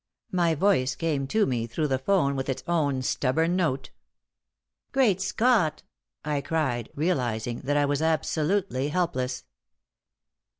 My voice came to me through the 'phone with its own stubborn note. "Great Scott!" I cried, realizing that I was absolutely helpless.